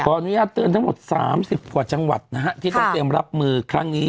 กรอนวิญญาติเตือนทั้งหมด๓๐บาทชั่งวัดที่พร้อมเต็มรับมือครั้งนี้